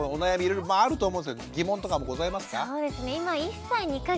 いろいろあると思うんですけど疑問とかもございますか？